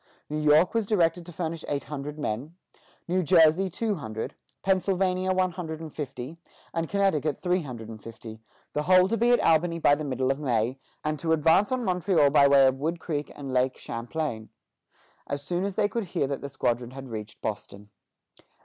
New York was directed to furnish eight hundred men; New Jersey, two hundred; Pennsylvania, one hundred and fifty; and Connecticut, three hundred and fifty, the whole to be at Albany by the middle of May, and to advance on Montreal by way of Wood Creek and Lake Champlain, as soon as they should hear that the squadron had reached Boston.